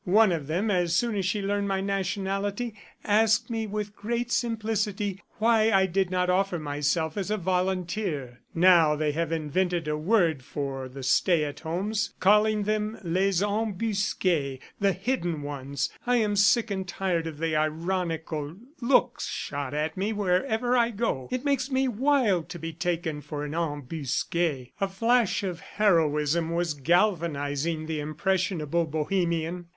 ... One of them, as soon as she learned my nationality, asked me with great simplicity why I did not offer myself as a volunteer. ... Now they have invented a word for the stay at homes, calling them Les Embusques, the hidden ones. ... I am sick and tired of the ironical looks shot at me wherever I go; it makes me wild to be taken for an Embusque." A flash of heroism was galvanizing the impressionable Bohemian.